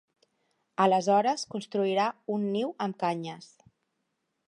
Aleshores, construirà un niu amb canyes.